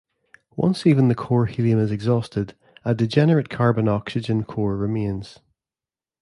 Once even the core helium is exhausted, a degenerate carbon-oxygen core remains.